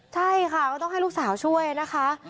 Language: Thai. ใช่ค่ะก็ต้องให้ลูกสาวช่วยนะคะ